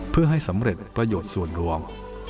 เพื่อให้สำเร็จประโยชน์ส่วนรวม